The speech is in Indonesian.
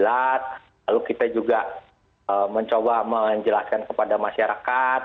lalu kita juga mencoba menjelaskan kepada masyarakat